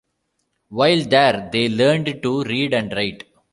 While there, they learned to read and write.